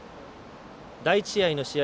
第１試合の試合